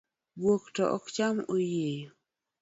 Guok to ok cham oyieyo.